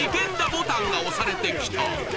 ボタンが押されてきた